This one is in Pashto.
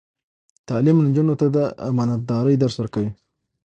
تعلیم نجونو ته د امانتدارۍ درس ورکوي.